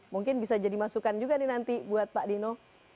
mungkin bisa jadi masukan juga nih nanti buat pak dino